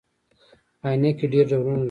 عینکي ډیر ډولونه لري